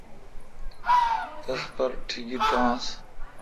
تس پر ٹھگئ تھانس۔